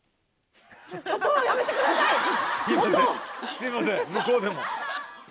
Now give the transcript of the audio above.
すいません向こうでも。